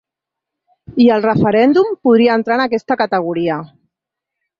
I el referèndum podria entrar en aquesta categoria.